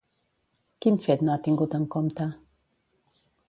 Quin fet no ha tingut en compte?